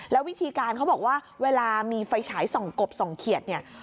แล้ววิธีการเขาบอกว่าเวลามีไฟฉายส่องกบส่องเขียดเนี่ย